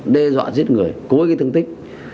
đe dọa giết người cố gắng thương tích